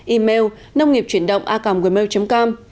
email nông nghiệpchuyểnđộngacomgmail com